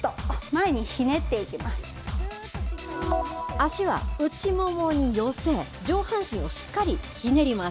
足は内ももに寄せ、上半身をしっかりひねります。